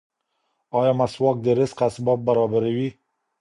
ایا مسواک د رزق اسباب برابروي؟